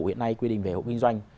hiện nay quy định về hộ kinh doanh